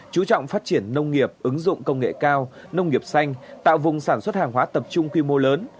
chú trọng phát triển nông nghiệp ứng dụng công nghệ cao nông nghiệp xanh tạo vùng sản xuất hàng hóa tập trung quy mô lớn